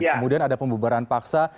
kemudian ada pembubaran paksa